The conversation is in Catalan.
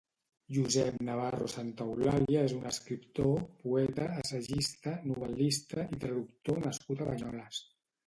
Josep Navarro Santaeulàlia és un escriptor, poeta, assagista, novel·lista i traductor nascut a Banyoles.